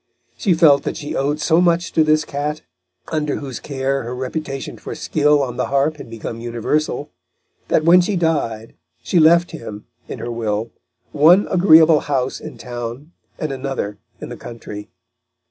She felt that she owed so much to this cat, under whose care her reputation for skill on the harp had become universal, that when she died she left him, in her will, one agreeable house in town and another in the country.